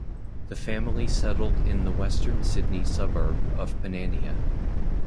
The family settled in the western Sydney suburb of Panania.